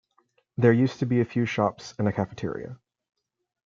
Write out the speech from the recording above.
There used to be a few shops and a cafeteria.